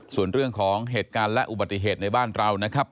ส่วนเรื่องของเหตุการณ์และอุบัติเหตุในบ้านเรานะครับ